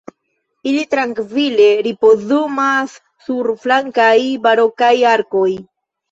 Ili trankvile ripozumas sur flankaj barokaj arkoj.